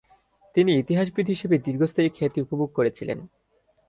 তিনি ইতিহাসবিদ হিসাবে দীর্ঘস্থায়ী খ্যাতি উপভোগ করেছিলেন।